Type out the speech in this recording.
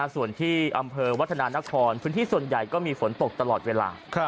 ส่วนที่อำเภอวัฒนานครพื้นที่ส่วนใหญ่ก็มีฝนตกตลอดเวลา